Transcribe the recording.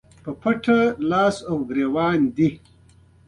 په پټه لاس ګرېوان دي